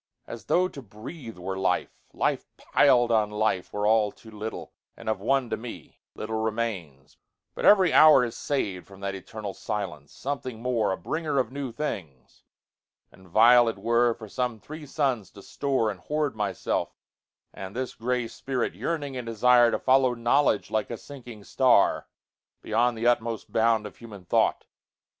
As tho' to breathe were life. Life pil'd on lifeWere all too little, and of one to meLittle remains: but every hour is sav'dFrom that eternal silence, something more,A bringer of new things; and vile it wereFor some three suns to store and hoard myself, And this gray spirit yearning in desireTo follow knowledge like a sinking star, Beyond the utmost bound of human thought.